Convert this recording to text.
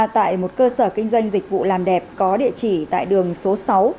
tại một cơ sở kinh doanh dịch vụ làm đẹp có địa chỉ tại đường số sáu